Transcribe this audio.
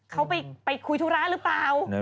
เขาไปคุยธุระหรือเปล่า